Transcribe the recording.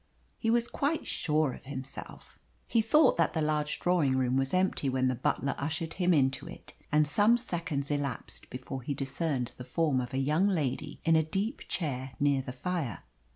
He was quite sure of himself. He thought that the large drawing room was empty when the butler ushered him into it, and some seconds elapsed before he discerned the form of a young lady in a deep chair near the fire.